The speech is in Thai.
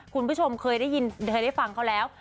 คุณผู้ชมเคยได้ยินเคยได้ฟังเขาแล้ว